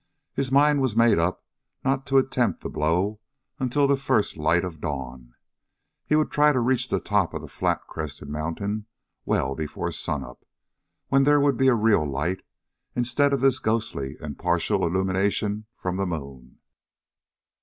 His mind was made up not to attempt the blow until the first light of dawn. He would try to reach the top of the flat crested mountain well before sunup, when there would be a real light instead of this ghostly and partial illumination from the moon.